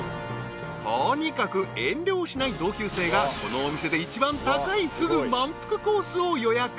［とにかく遠慮をしない同級生がこのお店で一番高いふぐ満腹コースを予約］